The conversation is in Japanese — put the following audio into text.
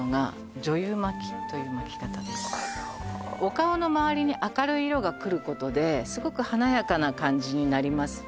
はいあらお顔の周りに明るい色が来ることですごく華やかな感じになります